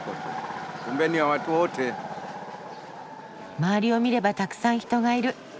周りを見ればたくさん人がいる。